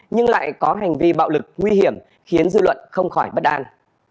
nhưng lại có hành vi bạo lực nguy hiểm khiến dư luận không khỏi đúng